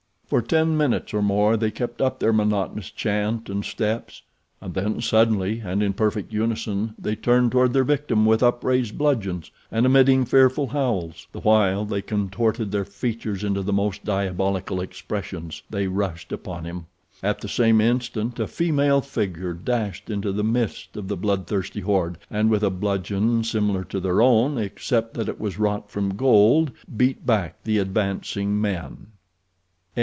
For ten minutes or more they kept up their monotonous chant and steps, and then suddenly, and in perfect unison, they turned toward their victim with upraised bludgeons and emitting fearful howls, the while they contorted their features into the most diabolical expressions, they rushed upon him. At the same instant a female figure dashed into the midst of the bloodthirsty horde, and, with a bludgeon similar to their own, except that it was wrought from gold, beat back the advancing men.